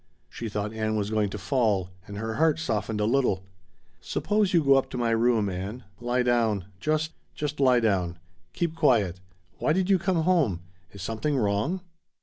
She thought Ann was going to fall, and her heart softened a little. "Suppose you go up to my room, Ann. Lie down. Just just lie down. Keep quiet. Why did you come home? Is something wrong?"